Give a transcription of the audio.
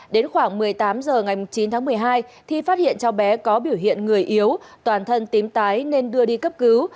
đến khoảng một mươi tám h ngày chín tháng một mươi hai thi phát hiện cháu bé có biểu hiện người yếu toàn thân tím tái nên đưa đi cấp cứu